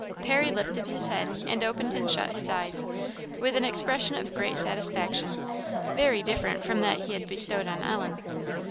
Parry lifted his head, and opened and shut his eyes, with an expression of great satisfaction, very different from that he had bestowed on Ellen.